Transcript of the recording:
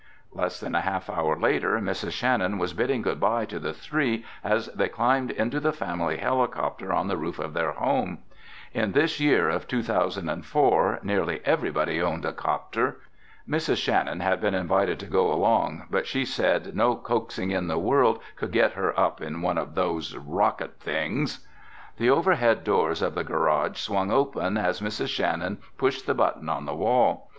Less than a half hour later, Mrs. Shannon was bidding goodbye to the three as they climbed into the family helicopter on the roof of their home. In this year of 2004 nearly everybody owned a 'copter. Mrs. Shannon had been invited to go along but she said no coaxing in the world could get her up in one of those "rocket things." The overhead doors of the garage swung open as Mrs. Shannon pushed the button on the wall.